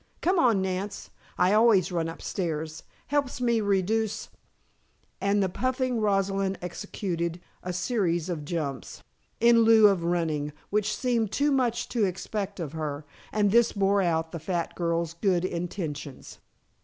Come on, Nance, I always run upstairs. Helps me reduce " And the puffing Rosalind executed a series of jumps, in lieu of running, which seemed too much to expect of her, and this bore out the fat girl's good intentions.